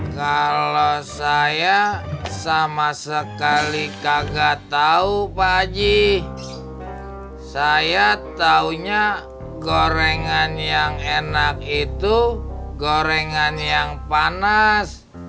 kalau saya sama sekali kagak tahu pak aji saya tahunya gorengan yang enak itu gorengan yang panas